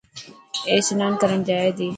اي سنان ڪرڻ جائي تي.